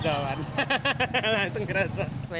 hahaha langsung kerasa